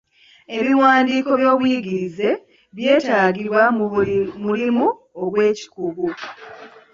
Ebiwandiiko by'obuyigirize byetaagibwa mu buli mulimu ogw'ekikugu.